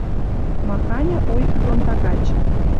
Маханьы ойхы дон тагачы